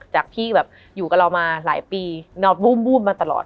จากพี่แบบอยู่กับเรามาหลายปีนอนวูบมาตลอด